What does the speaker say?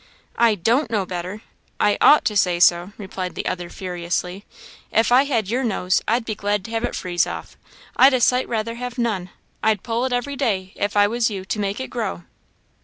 "I don't know better! I ought to say so!" replied the other, furiously. "If I had your nose, I'd be glad to have it freeze off; I'd a sight rather have none. I'd pull it every day, if I was you, to make it grow."